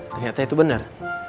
ternyata itu benar